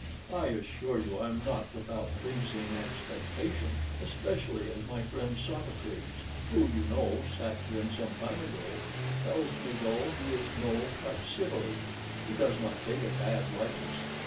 I assure you I am not without pleasing expectation; especially as my friend Sophocles, who, you know, sat to him some time ago, tells me, though he is no Praxiteles, he does not take a bad likeness.